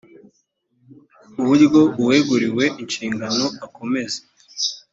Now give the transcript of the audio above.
buryo uweguriwe inshingano akomeza